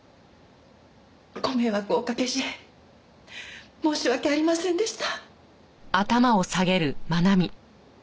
ご迷惑をおかけし申し訳ありませんでした。